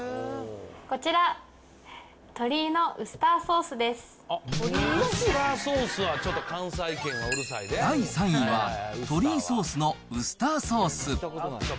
こちら、第３位は、トリイソースのウスターソース。